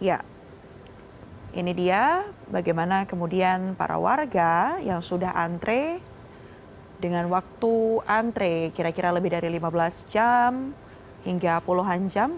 ya ini dia bagaimana kemudian para warga yang sudah antre dengan waktu antre kira kira lebih dari lima belas jam hingga puluhan jam